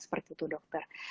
seperti itu dokter